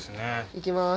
行きます。